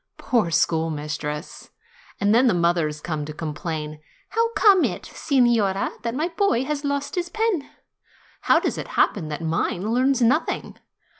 Poor schoolmistress ! And then the mothers come to complain: "How comes it, sig norina, that my boy has lost his pen? How does it happen that mine learns nothing